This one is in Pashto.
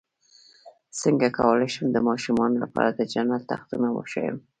څنګه کولی شم د ماشومانو لپاره د جنت تختونه وښایم